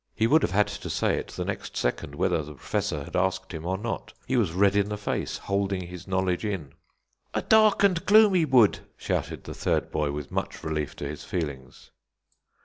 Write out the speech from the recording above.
He would have had to say it the next second, whether the Professor had asked him or not; he was red in the face, holding his knowledge in. "A dark and gloomy wood," shouted the third boy, with much relief to his feelings.